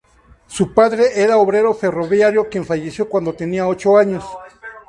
Su padre era obrero ferroviario, quien falleció cuando tenía ocho años.